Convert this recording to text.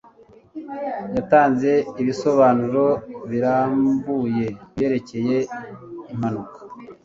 Yatanze ibisobanuro birambuye kubyerekeye impanuka.